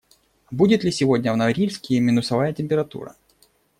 Будет ли сегодня в Норильске минусовая температура?